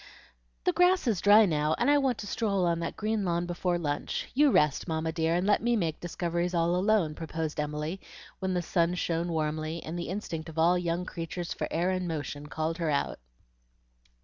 "The grass is dry now, and I want to stroll on that green lawn before lunch. You rest, Mamma dear, and let me make discoveries all alone," proposed Emily, when the sun shone warmly, and the instinct of all young creatures for air and motion called her out.